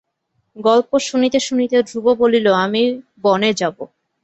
গল্প শুনিতে শুনিতে ধ্রুব বলিল, আমি বনে যাব।